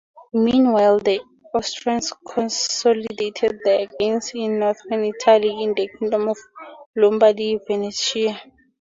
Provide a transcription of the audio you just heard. Meanwhile, the Austrians consolidated their gains in Northern Italy into the Kingdom of Lombardy-Venetia.